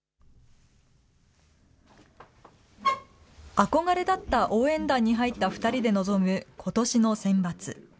憧れだった応援団に入った２人で臨む、ことしのセンバツ。